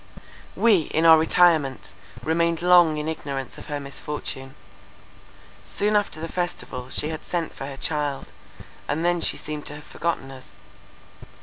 We, in our retirement, remained long in ignorance of her misfortune. Soon after the festival she had sent for her child, and then she seemed to have forgotten us.